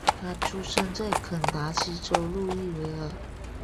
他出生在肯塔基州路易维尔。